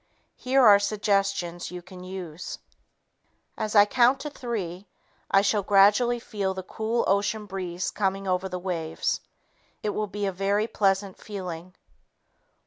Here are suggestions you can use: "As I count to three, I shall gradually feel the cool ocean breeze coming over the waves. It will be a very pleasant feeling.